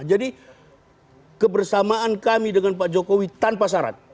kebersamaan kami dengan pak jokowi tanpa syarat